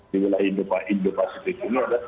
di wilayah indo pasifik ini adalah